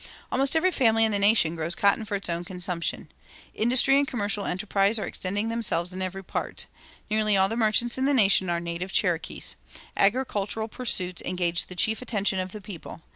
Almost every family in the nation grows cotton for its own consumption. Industry and commercial enterprise are extending themselves in every part. Nearly all the merchants in the nation are native Cherokees. Agricultural pursuits engage the chief attention of the people.